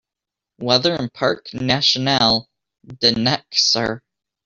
Weather in Parc national de Nech Sar